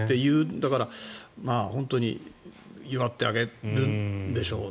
だから本当に祝ってあげるんでしょうね。